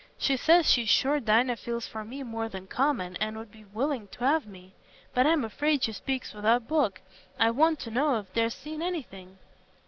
She says she's sure Dinah feels for me more than common, and 'ud be willing t' have me. But I'm afraid she speaks without book. I want to know if thee'st seen anything."